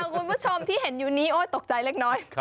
คุณผู้ชมที่เห็นอยู่นี้ตกใจเล็กน้อย